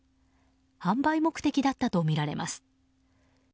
販売目的だったとみられます。